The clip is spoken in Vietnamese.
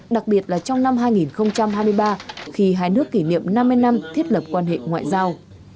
đặc biệt là trong năm hai nghìn hai mươi ba khi hai nước kỷ niệm năm mươi năm thiết lập quan hệ ngoại giao